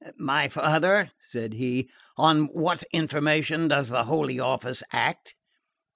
"My father," said he, "on what information does the Holy Office act?"